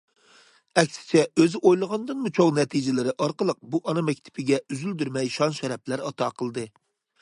ئەكسىچە ئۆزى ئويلىغاندىنمۇ چوڭ نەتىجىلىرى ئارقىلىق بۇ ئانا مەكتىپىگە ئۈزۈلدۈرمەي شان- شەرەپلەر ئاتا قىلدى.